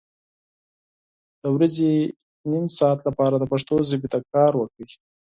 د ورځې نیم ساعت لپاره د پښتو ژبې ته کار وکړئ